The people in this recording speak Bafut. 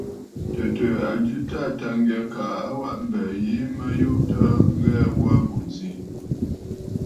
Tɨ̀tɨ̀ɨ̀ a jɨ a Taà Tâŋgyɛ kaa a waʼa mbɛ̀ɛ̀ yìi mə yu təə ghu aa bù ǹzi.